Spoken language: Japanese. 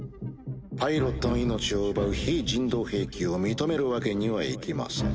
パイロットの命を奪う非人道兵器を認めるわけにはいきません。